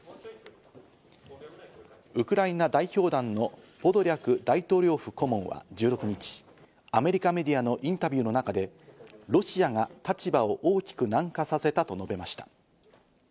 ウクライナ代表団のポドリャク大統領府顧問は１６日、アメリカメディアのインタビューの中でロシアが立場を大きく軟化させたと述べました。